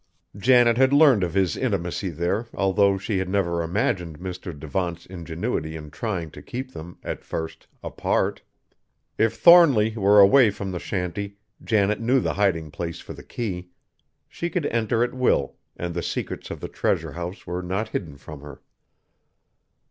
Janet had learned of his intimacy there, although she had never imagined Mr. Devant's ingenuity in trying to keep them, at first, apart. If Thornly were away from the shanty, Janet knew the hiding place for the key; she could enter at will and the secrets of the treasure house were not hidden from her.